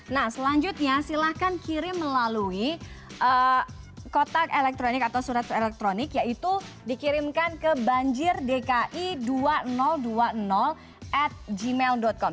nah selanjutnya silahkan kirim melalui kotak elektronik atau surat elektronik yaitu dikirimkan ke banjir dki dua ribu dua puluh at gmail com